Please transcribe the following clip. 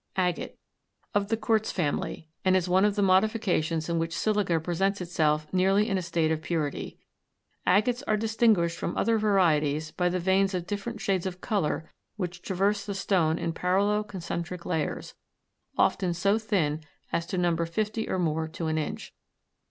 AGATE. Of the quartz family, and is one of the modifications in which silica presents itself nearly in a state of purity. Agates are distinguished from the other varieties by the veins of different shades of color which traverse the stone in parallel concentric layers, often so thin as to number fifty or more to an inch.